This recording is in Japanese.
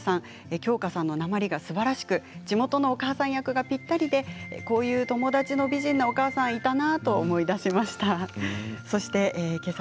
京香さんのなまりがすばらしく地元のお母さん役がぴったりでこういう友達の美人なお母さんがいたなと思い出しましたということです。